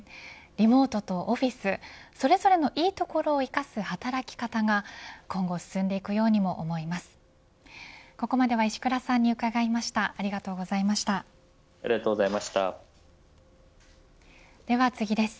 リモートとオフィス、それぞれのいいところを生かす働き方が今後進んでいくようにも思います。